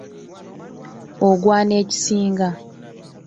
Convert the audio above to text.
Oggwana ekisinga.